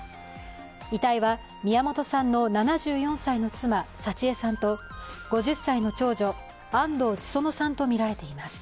遺体は宮本さんの７４歳の妻幸枝さんと５０歳の長女、安藤千園さんとみられています。